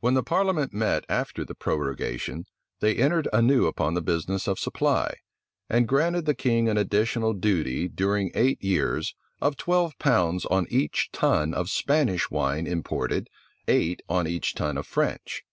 {1670.} When the parliament met after the prorogation, they entered anew upon the business of supply, and granted the king an additional duty, during eight years, of twelve pounds on each tun of Spanish wine imported, eight on each tun of French.